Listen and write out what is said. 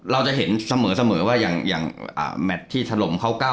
เราจะเห็นเสมอว่าอย่างแมทที่ถล่มเข้า๙